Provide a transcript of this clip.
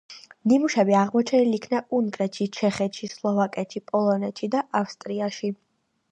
ნიმუშები აღმოჩენილ იქნა უნგრეთში, ჩეხეთში, სლოვაკეთში, პოლონეთში და ავსტრიაში.